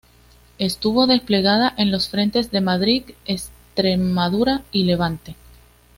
Estuvo desplegada en los frentes de Madrid, Extremadura y Levante.